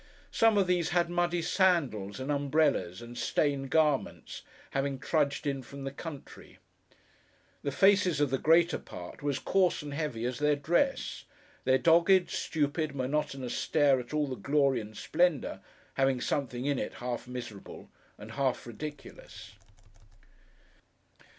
Some of these had muddy sandals and umbrellas, and stained garments: having trudged in from the country. The faces of the greater part were as coarse and heavy as their dress; their dogged, stupid, monotonous stare at all the glory and splendour, having something in it, half miserable, and half ridiculous.